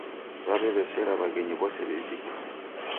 W'aw'ew'esera w'aghenyi w'ose w'ivike